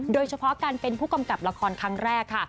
โดยเฉพาะการเป็นผู้กำกับละครครั้งแรกค่ะ